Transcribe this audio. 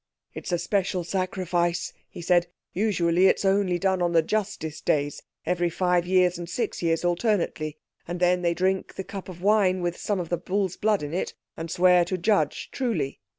"It's a special sacrifice," he said; "usually it's only done on the justice days every five years and six years alternately. And then they drink the cup of wine with some of the bull's blood in it, and swear to judge truly.